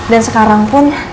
dan sekarang pun